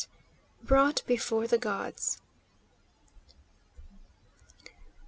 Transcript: BROUGHT BEFORE THE GODS.